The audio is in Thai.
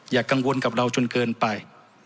กังวลกับเราจนเกินไป